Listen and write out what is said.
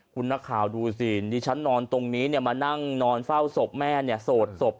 คุณนักข่าวดูสินี่ฉันนอนตรงนี้มานั่งนอนเฝ้าศพแม่เนี่ยโสดศพ